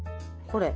これ。